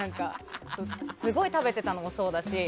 すごい食べてたのもそうだし。